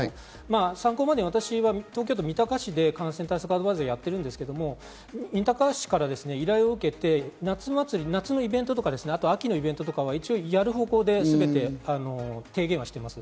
参考までに、私が東京都三鷹市で感染対策アドバイザーをやっているんですが、三鷹市から依頼を受けて夏のイベントとか、秋のイベントとかは、一応やる方向で全て提言しています。